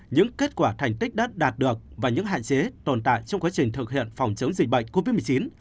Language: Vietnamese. những kết quả thành tích đã đạt được và những hạn chế tồn tại trong quá trình thực hiện phòng chống dịch bệnh covid một mươi chín